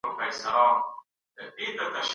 که ته بد چلند وکړې، خلګ لېري کېږي.